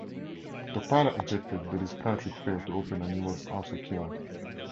The pilot ejected, but his parachute failed to open and he was also killed.